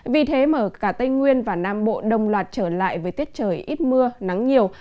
vì thế mà cả tây nguyên và nam bộ đồng loạt trở lại với tiết trời ít mưa nắng nhiều